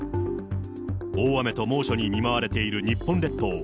大雨と猛暑に見舞われている日本列島。